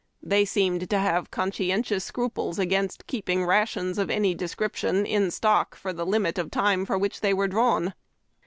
They seemed to have conscientious scruples against keeping ra tions of any description in stock for the limit of time for which they were drawn.